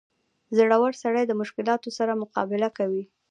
• زړور سړی د مشکلاتو سره مقابله کوي.